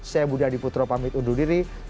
saya budha diputro pamit undur diri